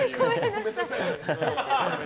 ごめんなさい。